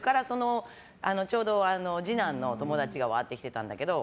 ちょうど次男の友達がわっと来てたんだけど